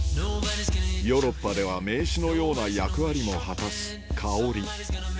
ヨーロッパでは名刺のような役割も果たす香り